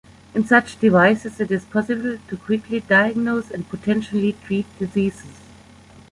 In such devices it is possible to quickly diagnose and potentially treat diseases.